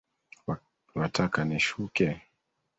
Wataka nishuke?